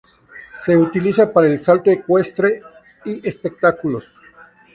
Se utiliza para el salto ecuestre y espectáculos.